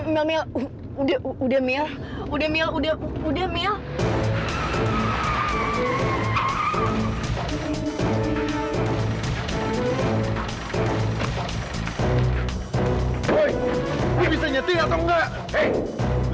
mel mel udah udah mel